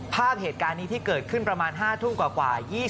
ภาพเหตุการณ์นี้ที่เกิดขึ้นประมาณ๕ทุ่มกว่า